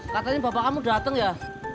katanya bapak kamu datang ya